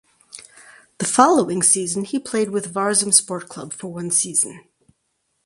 The following season he played with Varzim Sport Club for one season.